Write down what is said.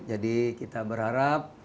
jadi kita berharap